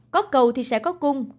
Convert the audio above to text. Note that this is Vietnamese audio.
có cầu thì sẽ có cung